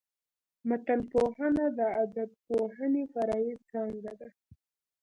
متنپوهنه د ادبپوهني فرعي څانګه ده.